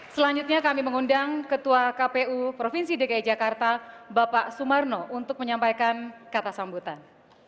selanjutnya kami mengundang ketua kpu provinsi dki jakarta bapak sumarno untuk menyampaikan kata sambutan